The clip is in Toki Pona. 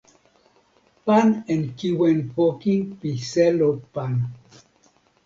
pan en kiwen poki pi selo pan